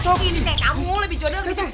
teh kamu lebih jodoh